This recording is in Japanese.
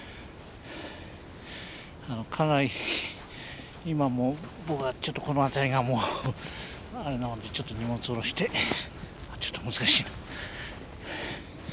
かなり今僕はちょっとこの辺りがもうあれなのでちょっと荷物下ろしてちょっと難しいな。